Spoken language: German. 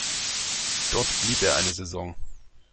Dort blieb er eine Saison.